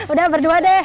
udah berdua deh